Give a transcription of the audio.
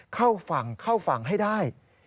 เข้าฝั่งเข้าฝั่งให้ได้